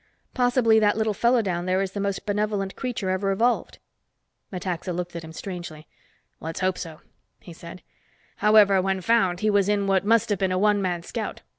Possibly that little fellow down there is the most benevolent creature ever evolved." Metaxa looked at him strangely. "Let's hope so," he said. "However, when found he was in what must have been a one man scout.